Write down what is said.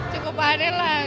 cukup adil lah